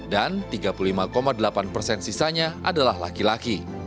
dan tiga puluh lima delapan persen sisanya adalah laki laki